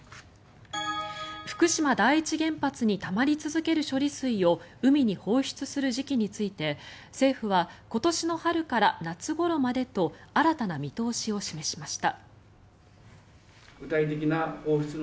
福島第一原発にたまり続ける処理水を海に放出する時期について政府は今年の春から夏ごろまでと新たな見通しを示しました。